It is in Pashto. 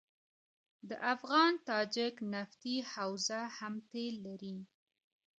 د افغان تاجک نفتي حوزه هم تیل لري.